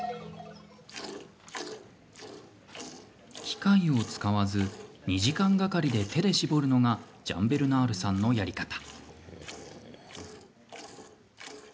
機械を使わず２時間がかりで手で搾るのがジャンベルナールさんのやり方。